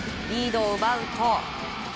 リードを奪うと。